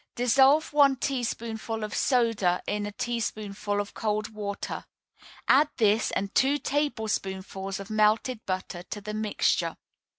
Dissolve one teaspoonful of soda in a teaspoonful of cold water; add this and two tablespoonfuls of melted butter to the mixture.